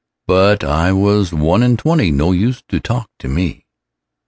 'But I was one and twenty, No use to talk to me.